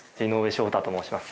翔太と申します。